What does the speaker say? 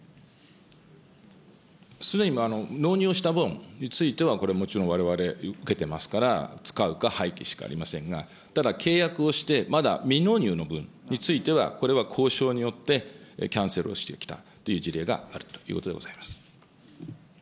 すでに納入した分については、これもちろんわれわれ受けてますから、使うか廃棄しかありませんが、ただ、契約をして、まだ未納入の分については、これは交渉によって、キャンセルをしてきたという事例があるということでございます。